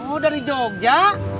oh dari jogja